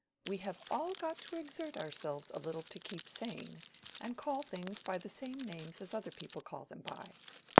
We have all got to exert ourselves a little to keep sane, and call things by the same names as other people call them by.